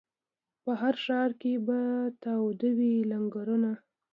په هر ښار کي به تاوده وي لنګرونه